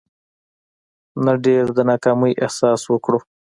نه ډېر د ناکامي احساس وکړو.